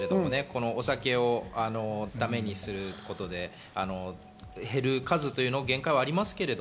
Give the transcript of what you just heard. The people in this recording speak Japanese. お酒をだめにすることで減る数という限界はありますけど。